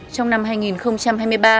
trong năm hai nghìn hai mươi ba